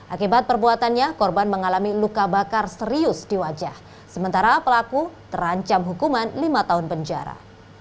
akibat perbuatannya korban mengalami luka bakar serius di wajah sementara pelaku terancam hukuman lima tahun penjara